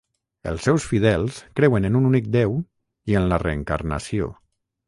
Els seus fidels creuen en un únic Déu, i en la reencarnació.